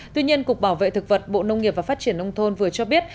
tuy nhiên cục bảo vệ thực vật bộ nông nghiệp và phát triển nông thôn vừa cho biết